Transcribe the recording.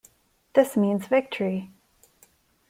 This means victory.